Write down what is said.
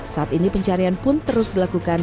saat ini pencarian pun terus dilakukan